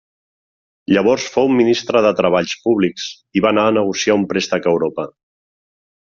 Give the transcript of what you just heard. Llavors fou Ministre de Treballs Públics i va anar a negociar un préstec a Europa.